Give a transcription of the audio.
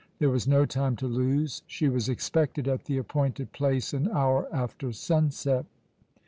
There was no time to lose. She was expected at the appointed place an hour after sunset.